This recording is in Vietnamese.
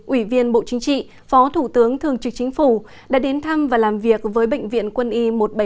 ủy viên bộ chính trị phó thủ tướng thường trực chính phủ đã đến thăm và làm việc với bệnh viện quân y một trăm bảy mươi năm